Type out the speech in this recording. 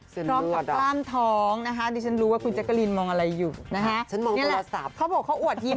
เสียงมือดอ่ะดีฉันรู้ว่าคุณแจ๊กกะลีนมองอะไรอยู่นะฮะนี่แหละเขาบอกเขาอวดยิ้มใหม่